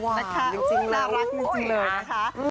ว้าวจริงเลยนะคะน่ารักจริงเลยนะคะ